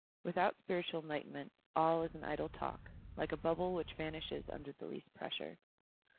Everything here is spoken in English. Without spiritual enlightenment, all is an idle talk, like a bubble which vanishes under the least pressure.